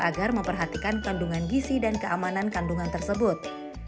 agar memperhatikan kandungan gisi dan keamanan kandungan tersebut